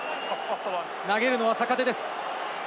投げるのは坂手です。